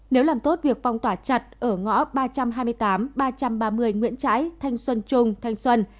nếu làm tốt việc phong tỏa chặt ở ngõ ba trăm hai mươi tám ba trăm ba mươi nguyễn trãi thanh xuân trung thanh xuân